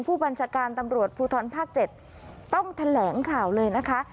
ผู้บัญชาการตำรวจภูทรภาค๗ต้องแถลงข่าวเลยนะคะ